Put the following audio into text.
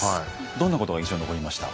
どんなことが印象に残りました？